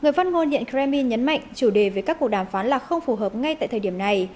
người phát ngôn điện kremlin nhấn mạnh chủ đề về các cuộc đàm phán là không phù hợp ngay tại thời điểm này